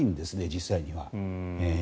実際には。